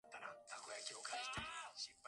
The movie was filmed on location in Shimotsuma.